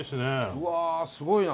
うわすごいな。